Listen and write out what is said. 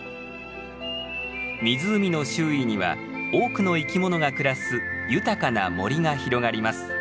湖の周囲には多くの生き物が暮らす豊かな森が広がります。